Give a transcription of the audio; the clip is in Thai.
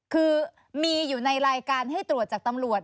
คือมีอยู่ในรายการให้ตรวจจากตำรวจ